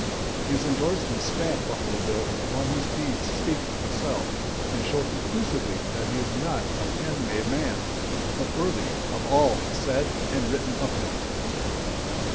These indorsements stamp Buffalo Bill as one whose deeds speak for themselves, and show conclusively that he is not a pen made man, but worthy of all said and written of him.